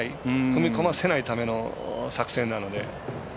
踏み込ませないための作戦なので。